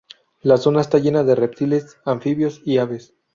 La zona está llena de reptiles, anfibios y aves.